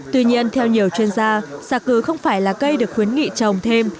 tuy nhiên theo nhiều chuyên gia xà cừ không phải là cây được khuyến nghị trồng thêm